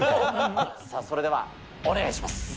それでは、お願いします。